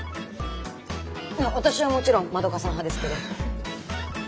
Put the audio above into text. あっ私はもちろん窓花さん派ですけど。